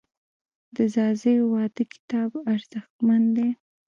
د ځاځیو واده کتاب ارزښتمن دی.